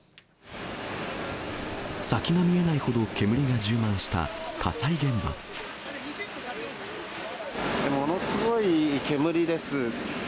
先が見えないほど煙が充満しものすごい煙です。